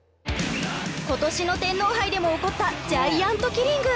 今年の天皇杯でも起こったジャイアントキリング。